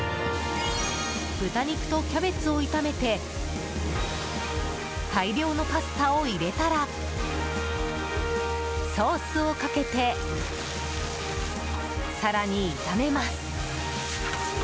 豚肉とキャベツを炒めて大量のパスタを入れたらソースをかけて更に炒めます。